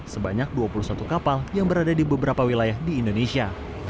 sebanyak dua puluh satu kapal yang berada di beberapa wilayah di indonesia